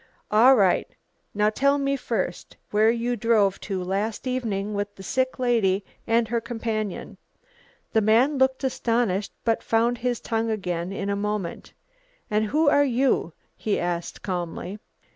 "All right. Now tell me first where you drove to last evening with the sick lady and her companion?" The man looked astonished but found his tongue again in a moment. "And who are you?" he asked calmly.